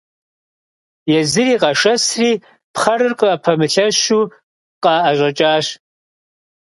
Езыри къэшэсри пхъэрыр къыпэмылъэщу къаӏэщӏэкӏащ.